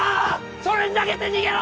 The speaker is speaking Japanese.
それ投げて逃げろ！